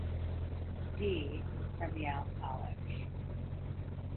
D. from Yale College.